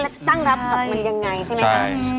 แล้วจะตั้งรับกับมันยังไงใช่ไหมคะ